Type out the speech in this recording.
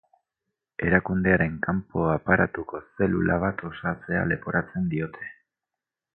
Erakundearen kanpo aparatuko zelula bat osatzea leporatzen diote.